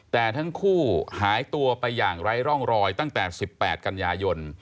แต่ทั้งคู่หายตัวไปอย่างไร้ร่องรอยตั้งแต่๑๘กันยายน